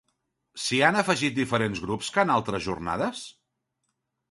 S'hi han afegit diferents grups que en altres jornades?